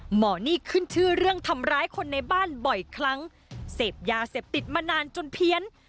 หมอนี่ขึ้นชื่อเรื่องทำร้ายคนในบ้านบ่อยครั้งเสพยาเสพติดมานานจนเพี้ยน